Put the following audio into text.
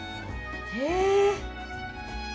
へえ。